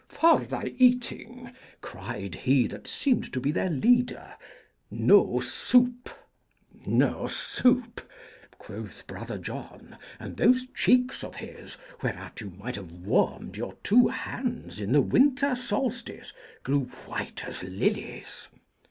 'For thy eating,' cried he that seemed to be their leader, 'No soup!' 'No soup!' quoth Brother John; and those cheeks of his, whereat you might have warmed your two hands in the winter solstice, grew white as lilies.